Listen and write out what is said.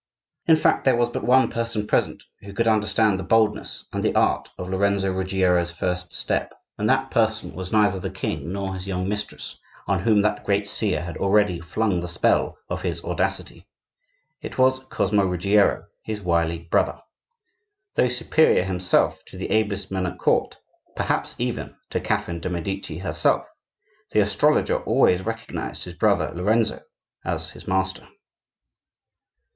In fact, there was but one person present who could understand the boldness and the art of Lorenzo Ruggiero's first step; and that person was neither the king nor his young mistress, on whom that great seer had already flung the spell of his audacity,—it was Cosmo Ruggiero, his wily brother. Though superior himself to the ablest men at court, perhaps even to Catherine de' Medici herself, the astrologer always recognized his brother Lorenzo as his master.